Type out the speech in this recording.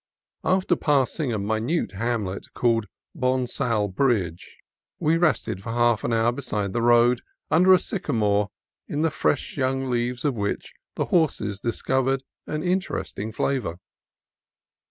After passing a minute hamlet called Bonsall Bridge, we rested for half an hour beside the road, under a sycamore in the fresh young leaves of which the horses discovered an interesting flavor.